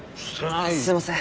すいません。